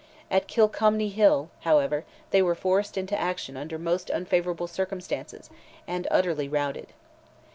At Killcomney Hill, however, they were forced into action under most unfavourable circumstances, and utterly routed.